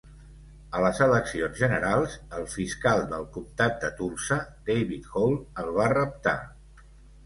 A les eleccions generals, el fiscal del comtat de Tulsa David Hall el va reptar.